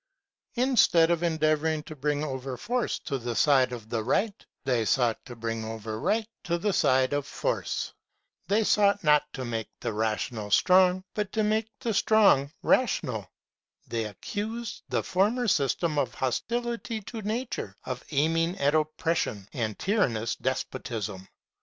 Instead of endeavouring to bring over force to the side of the right, they sought to bring over right to the side of force. They sought not to make the rational strong, but to make the strong rational. They accused the former system of hostility to Nature, of aim ing at oppression and tyrannous despotism.